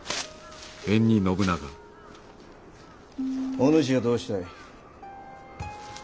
お主はどうしたい？